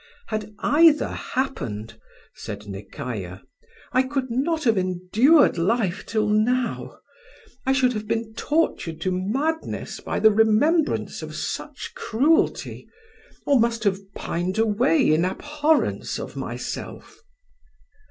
"Had either happened," said Nekayah, "I could not have endured life till now; I should have been tortured to madness by the remembrance of such cruelty, or must have pined away in abhorrence of myself."